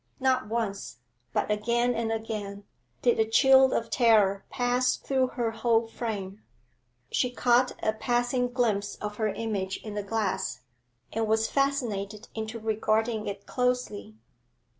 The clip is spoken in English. Not once, but again and again, did the chill of terror pass through her whole frame. She caught a passing glimpse of her image in the glass, and was fascinated into regarding it closely.